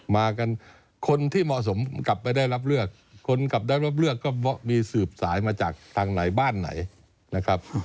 มากันคนที่เหมาะสมกลับไปได้รับเลือกคนกลับได้รับเลือกก็มีสืบสายมาจากทางไหนบ้านไหนนะครับ